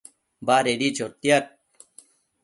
Badedi chotiad